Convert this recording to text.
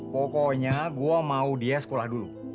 pokoknya gue mau dia sekolah dulu